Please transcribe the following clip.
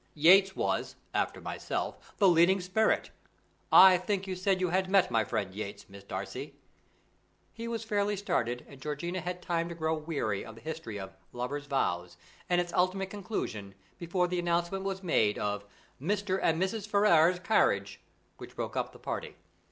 Yates was, after myself, the leading spirit I think you said you had met my friend Yates, Miss Darcy " He was fairly started, and Georgiana had time to grow weary of the history of Lovers' Vows and its ultimate conclusion, before the announcement was made of "Mr. and Mrs. Ferrars's carriage," which broke up the party.